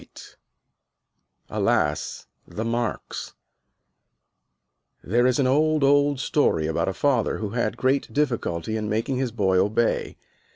"_ ALAS, THE MARKS There is an old, old story about a father who had great difficulty in making his boy obey.